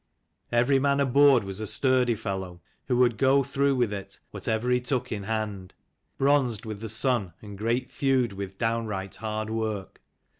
Every man aboard was a sturdy fellow, who would go through with it, whatever he took in hand ; bronzed with the sun and great thewed with downright hard work.